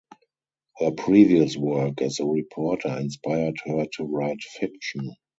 Her previous work as a reporter inspired her to write fiction.